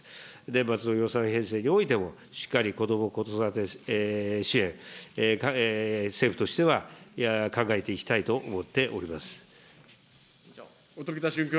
年末の予算編成において、しっかりこども・子育て支援、政府としては、考えていきたいと思ってお音喜多駿君。